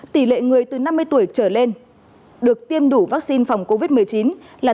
tỷ lệ người từ năm mươi tuổi trở lên được tiêm đủ vaccine phòng covid một mươi chín là tám mươi ba chín